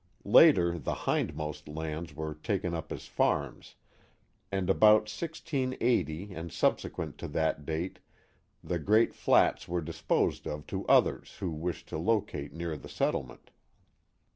Later the hindmost lands were taken up as farms, and about 1680 and subsequent to that date the great flats were disposed of to others who wished to locate near the settlement.